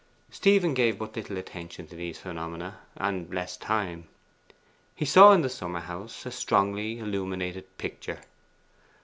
Stephen gave but little attention to these phenomena, and less time. He saw in the summer house a strongly illuminated picture.